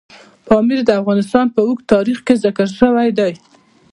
پامیر د افغانستان په اوږده تاریخ کې ذکر شوی دی.